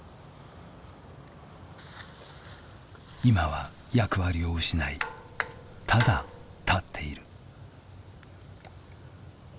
今は役割を失いただ建っている。